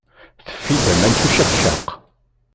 Teffi-d aman s ucabcaq.